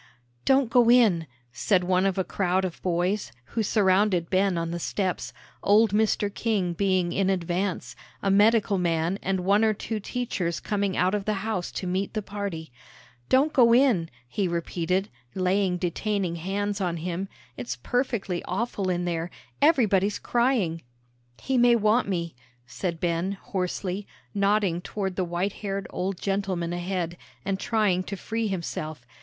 "Don't go in," said one of a crowd of boys, who surrounded Ben on the steps, old Mr. King being in advance, a medical man and one or two teachers coming out of the house to meet the party. "Don't go in," he repeated, laying detaining hands on him; "it's perfectly awful in there; everybody's crying." "He may want me," said Ben, hoarsely, nodding toward the white haired old gentleman ahead, and trying to free himself.